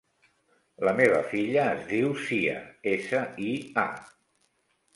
La meva filla es diu Sia: essa, i, a.